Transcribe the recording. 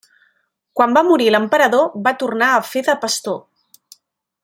Quan va morir l'emperador, va tornar a fer de pastor.